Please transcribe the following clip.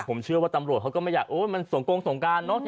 ผมเชื่อว่าตำรวจเขาก็ไม่อยากโอ๊ยมันสงกงสงการเนอะ